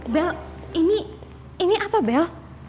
bel ini apa bel